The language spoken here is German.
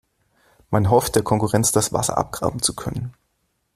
Man hofft, der Konkurrenz das Wasser abgraben zu können.